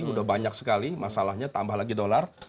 sudah banyak sekali masalahnya tambah lagi dolar